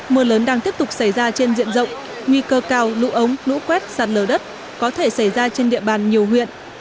mưa lớn đang tiếp tục xảy ra trên diện rộng nguy cơ cao lũ ống lũ quét sạt lở đất có thể xảy ra trên địa bàn nhiều huyện